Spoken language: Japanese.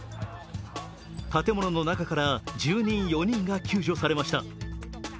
建物の中から住人４人が救助されました。